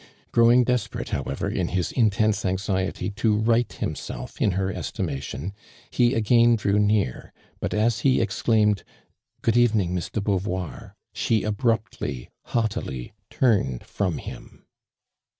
Growing des perat.i>, however, in his intense anxiety to right himself in her estimation, he again drew near, but as he exclaimed, "Good evening. Miss de Beauvoir," she abruptly, haughtily turned from him.